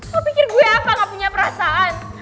aku pikir gue apa gak punya perasaan